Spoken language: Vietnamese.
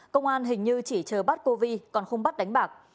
công an hình như chỉ chờ bắt covid còn không bắt đánh bạc